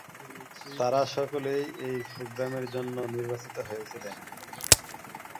তারা সকলেই এই প্রোগ্রামের জন্য নির্বাচিত হয়েছিলেন।